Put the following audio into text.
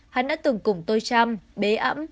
hắn đã từng cùng tôi chăm bế ẩm